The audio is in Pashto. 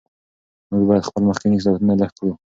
موږ باید خپل مخکني قضاوتونه لږ کړو.